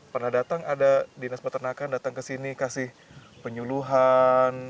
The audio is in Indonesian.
pernah datang ada dinas peternakan datang ke sini kasih penyuluhan